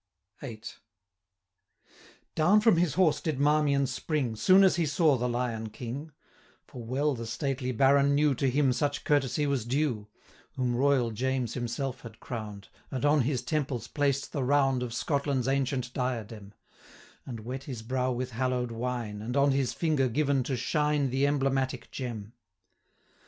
VIII. Down from his horse did Marmion spring, 155 Soon as he saw the Lion King; For well the stately Baron knew To him such courtesy was due, Whom Royal James himself had crown'd, And on his temples placed the round 160 Of Scotland's ancient diadem: And wet his brow with hallow'd wine, And on his finger given to shine The emblematic gem.